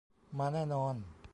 มาแน่นอน